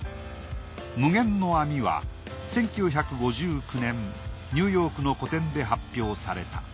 『無限の網』は１９５９年ニューヨークの個展で発表された。